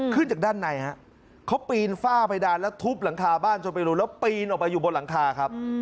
ขึ้นจากด้านในฮะเขาปีนฝ้าเพดานแล้วทุบหลังคาบ้านจนไปรู้แล้วปีนออกไปอยู่บนหลังคาครับ